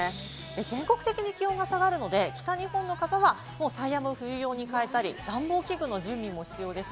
全国的に気温が下がるので、北日本の方はタイヤも冬用に変えたり、暖房器具の準備も必要です。